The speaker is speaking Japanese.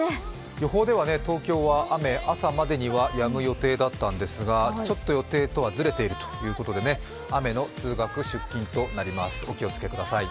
予報では東京では雨、朝までにはやむ予定だったんですがちょっと予定とはずれているということで、雨の通学、出勤となりますお気をつけください。